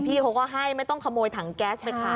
พี่เขาก็ให้ไม่ต้องขโมยถังแก๊สไปขาย